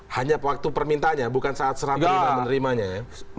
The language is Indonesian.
hanya waktu permintanya bukan saat serapi menerimanya ya